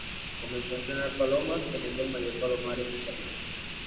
Comenzó a entrenar palomas, teniendo el mayor palomar en Harlem.